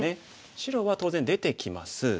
白は当然出てきます。